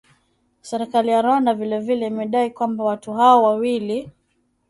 Serikali ya Rwanda vile vile imedai kwamba watu hao wawili